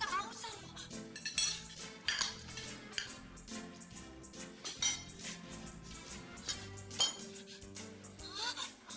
ya aku pelan pelan saja